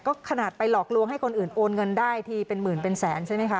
ก็ขนาดไปหลอกลวงให้คนอื่นโอนเงินได้ทีเป็นหมื่นเป็นแสนใช่ไหมคะ